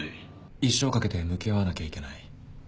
一生かけて向き合わなきゃいけない。